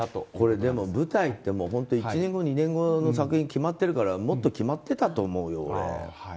でも舞台って１年後、２年後の作品決まっているからもっと決まってたと思うよ、俺。